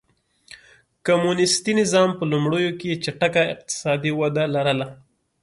کمونېستي نظام په لومړیو کې چټکه اقتصادي وده لرله.